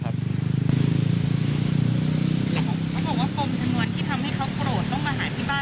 เขาบอกว่าปมชนวนที่ทำให้เขาโกรธต้องมาหาที่บ้าน